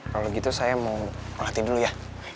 kalau gitu saya mau melatih dulu ya